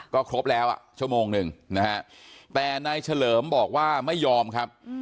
ก็ครบแล้วอ่ะชั่วโมงหนึ่งนะฮะแต่นายเฉลิมบอกว่าไม่ยอมครับ